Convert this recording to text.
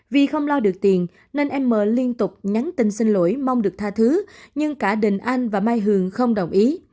vì không lo được tiền nên em m liên tục nhắn tin xin lỗi mong được tha thứ nhưng cả đình anh và mai hường không đồng ý